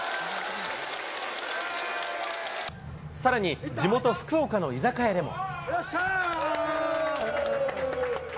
さらに、地元福岡の居酒屋でも。